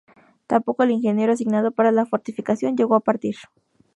Tampoco el ingeniero asignado para la fortificación llegó a partir.